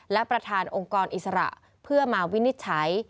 และประธานองค์กรอิสระเพื่อมาวินิจฉัย